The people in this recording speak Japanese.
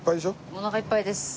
おなかいっぱいです。